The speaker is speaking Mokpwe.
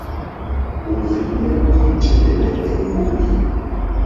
Òrzìɲɛ́ î tíndɛ̀lɛ̀ èmbólì.